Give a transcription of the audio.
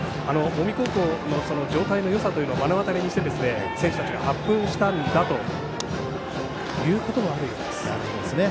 近江高校の状態のよさというのを目の当たりにして選手たちが発奮したんだということもあるようです。